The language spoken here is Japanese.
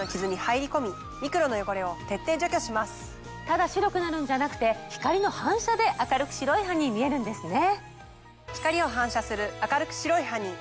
ただ白くなるんじゃなくて光の反射で明るく白い歯に見えるんですね。